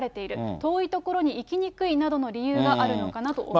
遠い所に行きにくいなどの理由があるのかなと思うと。